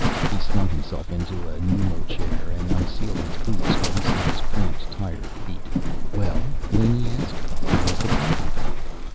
He slung himself into a pneumochair and unsealed his boots, releasing his cramped, tired feet. "Well," Laney asked. "How was the party?"